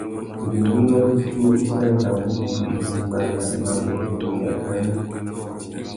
Ngüéngüinô rissú i sangüettamú udjï wutimbāna na wugüirimiya râ nukí.